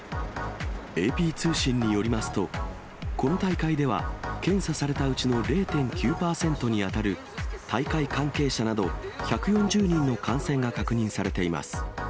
ＡＰ通信によりますと、この大会では、検査されたうちの０．９％に当たる、大会関係者など、１４０人の感染が確認されています。